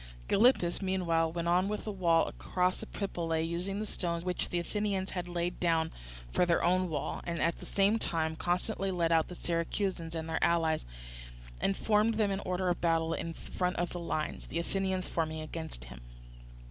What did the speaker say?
Gylippus, meanwhile, went on with the wall across Epipolae, using the stones which the Athenians had laid down for their own wall, and at the same time constantly led out the Syracusans and their allies, and formed them in order of battle in front of the lines, the Athenians forming against him.